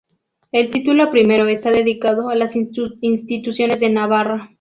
El título primero está dedicado a las instituciones de Navarra.